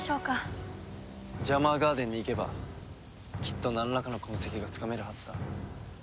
ジャマーガーデンに行けばきっとなんらかの痕跡がつかめるはずだ。